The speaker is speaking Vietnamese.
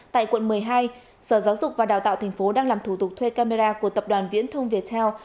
tại quận một mươi hai sở giáo dục và đào tạo tp hcm đang làm thủ tục thuê camera của tập đoàn viễn thông viettel